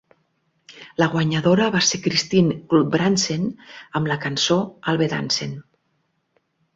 La guanyadora va ser Christine Guldbrandsen amb la cançó "Alvedansen".